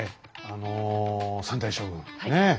あの３代将軍ねえ！